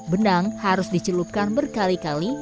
benang harus dicelupkan berkali kali